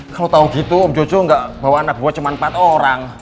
kalo tau gitu om jojo gak bawa anak buah cuman empat orang